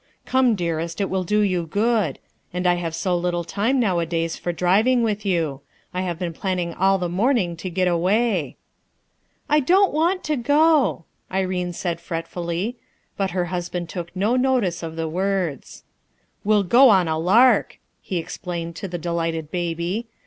Come dearest, it will do you good ; and I have so little time nowadays for driving with you. I have been planning all the morning to get away." "I don't want to go/' Irene said fretfully. But her husband took no notice of the words. "We'll go on a lark!" he explained to the delighted baby.